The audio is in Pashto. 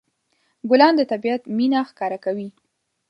ګلان د طبيعت مینه ښکاره کوي.